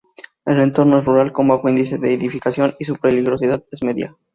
El entorno es rural con bajo índice de edificación y su peligrosidad es media.